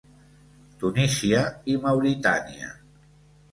Tunísia i Mauritània.